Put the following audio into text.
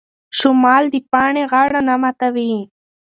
شمال د پاڼې غاړه نه ماتوي.